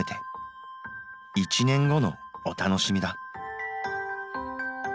１年後のお楽しみだ。